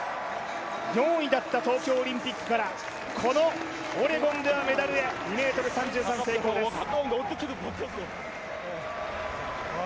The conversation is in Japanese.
４位だった東京オリンピックからオレゴンからのメダルへ２ｍ３３成功です。